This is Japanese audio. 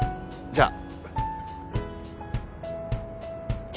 じゃあ。